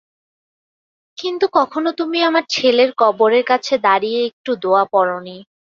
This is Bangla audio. কিন্তু কখনো তুমি আমার ছেলের কবরের কাছে দাঁড়িয়ে একটু দোয়া পড়নি।